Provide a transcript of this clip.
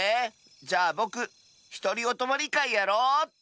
じゃあぼくひとりおとまりかいやろうっと。